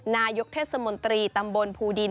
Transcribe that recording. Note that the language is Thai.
นายกเทศมนตรีตำบลภูดิน